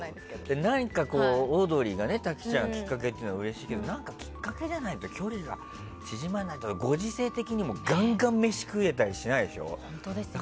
オードリーが滝ちゃんきっかけというのはうれしいけど何かきっかけがないと距離が縮まらないと、ご時世的にガンガン飯食えたりしないでしょ。